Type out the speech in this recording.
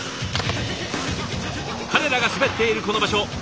彼らが滑っているこの場所。